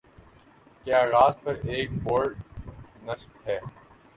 کے آغاز پر ایک بورڈ نصب ہے